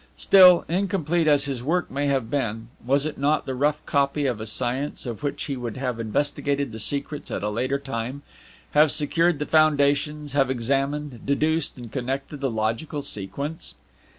Still, incomplete as his work may have been, was it not the rough copy of a science of which he would have investigated the secrets at a later time, have secured the foundations, have examined, deduced, and connected the logical sequence?